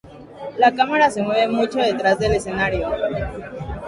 La cámara se mueve mucho detrás del escenario.